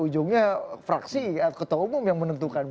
ujungnya fraksi atau ketua umum yang menentukan